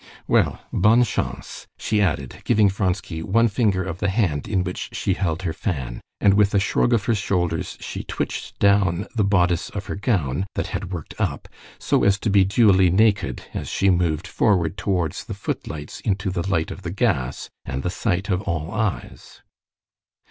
"Well, bonne chance!" she added, giving Vronsky one finger of the hand in which she held her fan, and with a shrug of her shoulders she twitched down the bodice of her gown that had worked up, so as to be duly naked as she moved forward towards the footlights into the light of the gas, and the sight of all eyes.